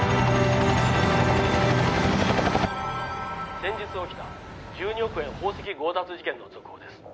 「先日起きた１２億円宝石強奪事件の続報です」